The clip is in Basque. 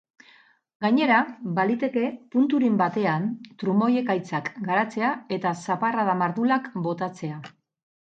Gainera, baliteke punturen batean trumoi-ekaitzak garatzea eta zaparrada mardulak botatzea.